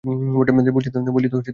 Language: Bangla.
বলছি তো, ওসব অফিসে আছে।